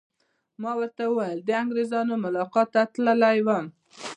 ما ورته وویل: د انګریزانو ملاقات ته تللی وم.